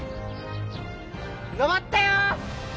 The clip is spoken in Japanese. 登ったよー！